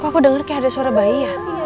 kok aku denger kayak ada suara bayi ya